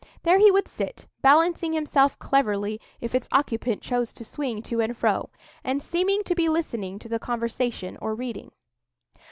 There he would sit, balancing himself cleverly if its occupant chose to swing to and fro, and seeming to be listening to the conversation or reading.